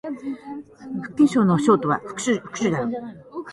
福建省の省都は福州である